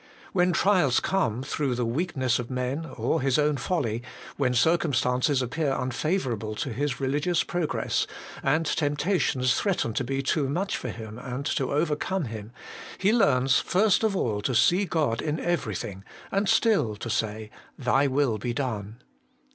When trials come through the weakness of men or his own folly, when circumstances appear unfavourable to his religious progress, and tempta tions threaten to be too much for him and to overcome him, he learns first of all to see God in everything, and still to say, ' Thy will be done.'